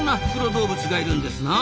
動物がいるんですなあ。